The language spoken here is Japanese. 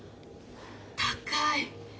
高い！